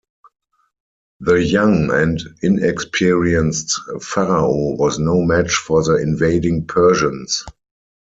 The young and inexperienced pharaoh was no match for the invading Persians.